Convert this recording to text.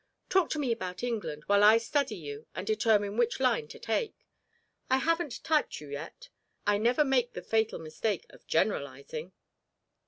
Talk to me about England, while I study you and determine which line to take. I haven't typed you yet I never make the fatal mistake of generalising."